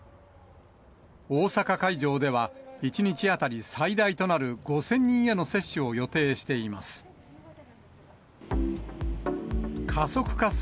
大阪会場では１日当たり最大となる５０００人への接種を予定しています。